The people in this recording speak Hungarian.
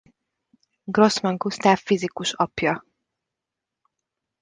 Grossmann Gusztáv fizikus apja.